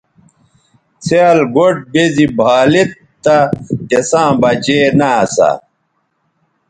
څھیال گوٹھ بے زی بھا لید تہ تِساں بچے نہ اسا۔